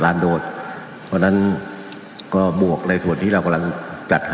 ไม่ใช่ครับคลิปที่๓ครับ